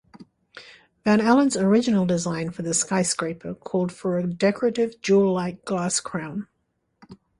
Van Alen's original design for the skyscraper called for a decorative jewel-like glass crown.